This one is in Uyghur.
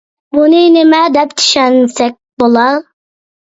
بۇنى نېمە دەپ چۈشەنسەك بولار؟